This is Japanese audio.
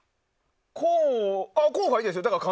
候補はいいですよ。